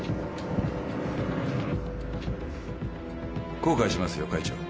後悔しますよ会長。